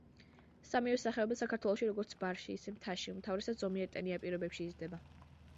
სამივე სახეობა საქართველოში როგორც ბარში, ისე მთაში, უმთავრესად ზომიერად ტენიან პირობებში იზრდება.